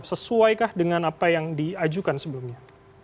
sesuaikah dengan apa yang diajukan sebelumnya